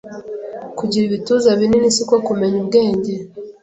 kugira ibituza binini siko kumenya ubwenge